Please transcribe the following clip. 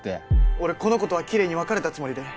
俺この子とはきれいに別れたつもりで。